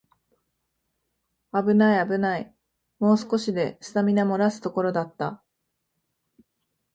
あぶないあぶない、もう少しでスタミナもらすところだった